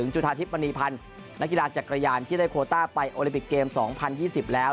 จุธาทิพย์มณีพันธ์นักกีฬาจักรยานที่ได้โคต้าไปโอลิปิกเกม๒๐๒๐แล้ว